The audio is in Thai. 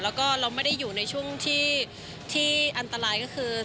แล้วก็เราไม่ได้อยู่ในช่วงที่อันตรายก็คือ